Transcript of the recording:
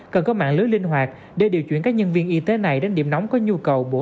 cần có mạng lưới linh hoạt để điều chuyển các nhân viên y tế này đến điểm nóng có nhu cầu bổ sung